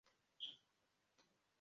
Abahungu bato biruka mu isiganwa